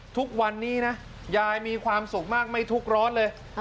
ทุกวันนี้นะยายมีความสุขมากไม่ทุกข์ร้อนเลย